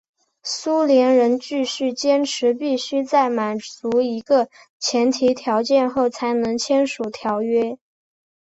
苏联人继续坚持必须在满足一个前提条件后才能签署条约。